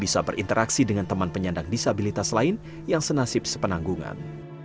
bisa berinteraksi dengan teman penyandang disabilitas lain yang senasib sepenanggungan